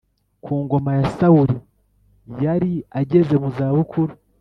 Ku ngoma ya Sawuli yari ageze mu za bukuru.